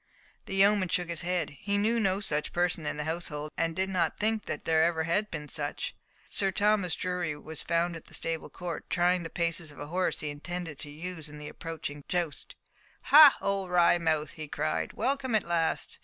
The yeoman shook his head. He knew no such person in the household, and did not think there ever had been such. Sir Thomas Drury was found in the stable court, trying the paces of the horse he intended to use in the approaching joust. "Ha! old Wry mouth," he cried, "welcome at last!